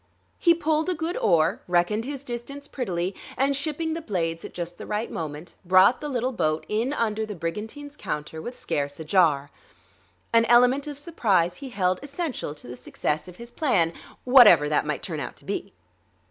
He pulled a good oar, reckoned his distance prettily, and shipping the blades at just the right moment, brought the little boat in under the brigantine's counter with scarce a jar. An element of surprise he held essential to the success of his plan, whatever that might turn out to be.